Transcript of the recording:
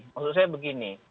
maksud saya begini